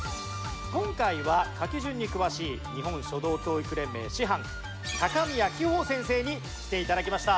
今回は書き順に詳しい日本書道教育連盟師範宮暉峰先生に来て頂きました。